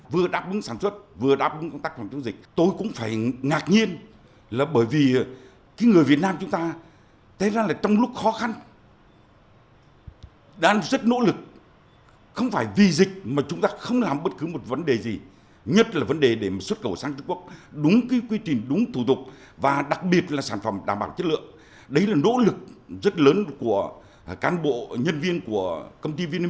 và đặc biệt là sản phẩm đảm bảo chất lượng đấy là nỗ lực rất lớn của cán bộ nhân viên của công ty vinamilk